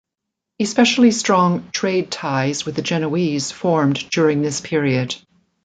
Especially strong trade ties with the Genoese formed during this period.